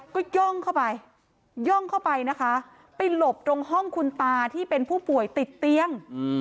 ก็ย่องเข้าไปย่องเข้าไปนะคะไปหลบตรงห้องคุณตาที่เป็นผู้ป่วยติดเตียง